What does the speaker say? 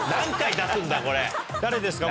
誰ですか？